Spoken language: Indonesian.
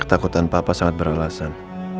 ketakutan papa sangat beralasan